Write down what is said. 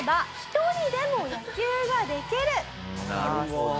なるほど。